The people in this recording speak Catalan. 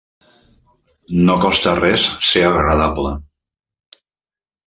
No costa res ser agradable.